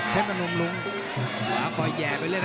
ขับความก็แหงไปเลยนะคุณผู้ชม